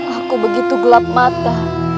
aku begitu gelap mata